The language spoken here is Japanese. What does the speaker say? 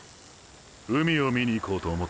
海を見に行こうと思ってな。